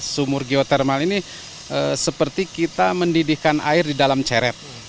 sumur geotermal ini seperti kita mendidihkan air di dalam ceret